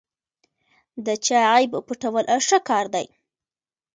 د چا عیب پټول ښه کار دی.